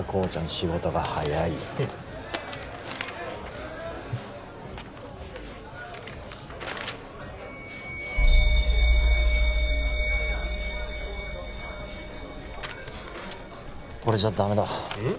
仕事が早いこれじゃダメだうん？